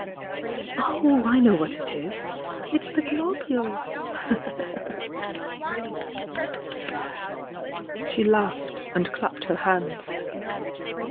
Oh, I know what It is! It's the globule!" She lauded, and clapped her hands.